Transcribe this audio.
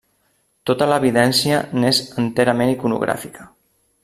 Tota l'evidència n'és enterament iconogràfica.